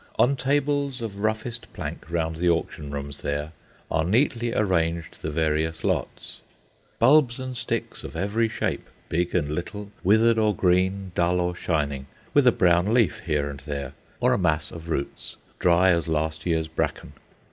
On tables of roughest plank round the auction rooms there, are neatly ranged the various lots; bulbs and sticks of every shape, big and little, withered or green, dull or shining, with a brown leaf here and there, or a mass of roots dry as last year's bracken.